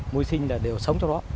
môi sinh là đều sống trong đó